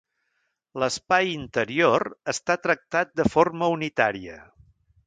L'espai interior està tractat de forma unitària.